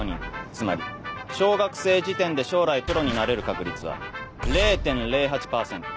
つまり小学生時点で将来プロになれる確率は０．０８％。